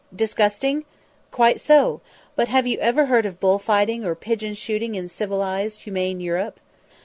Disgusting? Quite so! But have you ever heard of bull fighting or pigeon shooting in civilised, humane Europe?